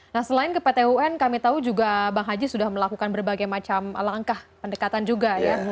nah selain ke pt un kami tahu juga bang haji sudah melakukan berbagai macam langkah pendekatan juga ya